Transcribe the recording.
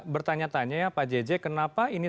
bertanya tanya ya pak jj kenapa ini